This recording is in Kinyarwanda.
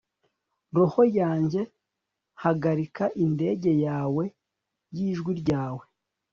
Roho yanjye hagarika indege yawe nijwi ryawe